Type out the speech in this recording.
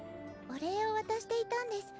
お礼を渡していたんです。